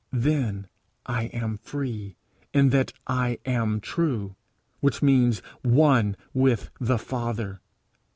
Then I am free, in that I am true which means one with the Father.